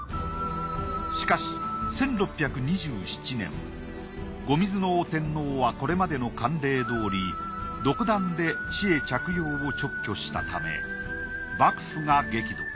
しかし１６２７年後水尾天皇はこれまでの慣例どおり独断で紫衣着用を勅許したため幕府が激怒。